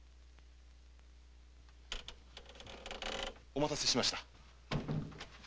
お待たせしました。